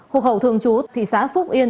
hục hậu thường trú thị xã phúc yên